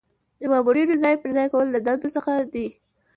د مامورینو ځای پر ځای کول د دندو څخه دي.